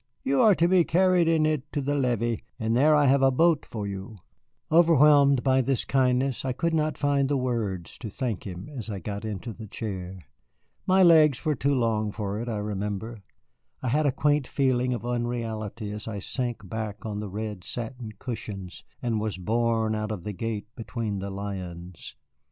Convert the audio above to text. You are to be carried in it to the levee, and there I have a boat for you." Overwhelmed by this kindness, I could not find words to thank him as I got into the chair. My legs were too long for it, I remember. I had a quaint feeling of unreality as I sank back on the red satin cushions and was borne out of the gate between the lions.